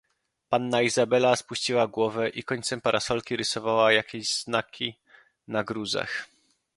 "Panna Izabela spuściła głowę i końcem parasolki rysowała jakieś znaki na gruzach."